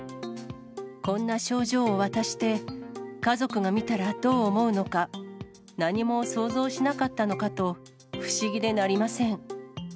こんな症状を渡して家族が見たらどう思うのか、何も想像しなかったのかと、不思議でなりません。